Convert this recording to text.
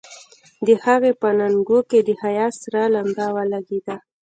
د هغې په اننګو کې د حيا سره لمبه ولګېده.